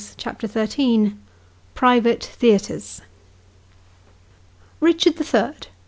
CHAPTER XIII. PRIVATE THEATRES. " RICHARD THE THIRD.